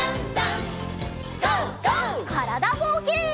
からだぼうけん。